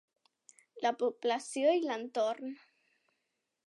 La població i l'entorn